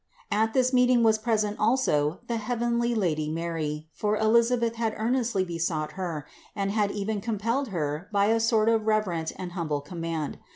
290. At this meeting was present also the heavenly Lady Mary, for Elisabeth had earnestly besought Her, and had even compelled Her by a sort of reverent and humble command.